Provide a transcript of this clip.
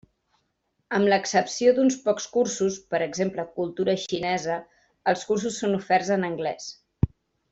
Amb l'excepció d'uns pocs cursos, per exemple cultura xinesa, els cursos són oferts en anglès.